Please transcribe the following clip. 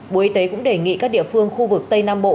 bộ y tế cũng đề nghị các địa phương khu vực tây nam bộ